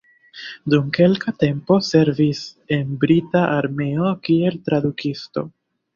Dum kelka tempo servis en brita armeo kiel tradukisto.